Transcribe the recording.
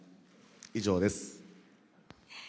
以上です。